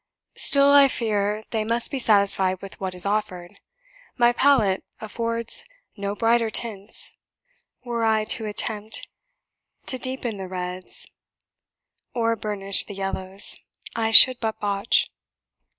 Still, I fear, they must be satisfied with what is offered: my palette affords no brighter tints; were I to attempt to deepen the reds, or burnish the yellows, I should but botch.